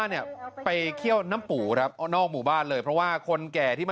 หรือจะน้ำปูมันหอมตอนกินครับ